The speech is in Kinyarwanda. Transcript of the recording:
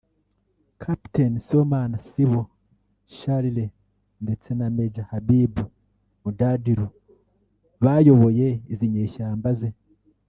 Capt Sibomana ‘Sibo’ Charles ndetse na Maj Habib Mudhathiru bayoboye izi nyeshyamba ze